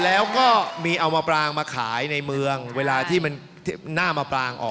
แล้วก็มีเอามาปรางมาขายในเมืองเวลาที่มันหน้ามาปรางออก